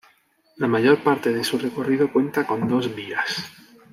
La mayor parte de su recorrido cuenta con dos vías.